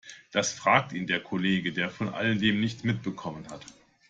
Das fragt ihn der Kollege, der von all dem nichts mitbekommen hat.